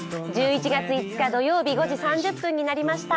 １１月５日土曜日５時３０分になりました。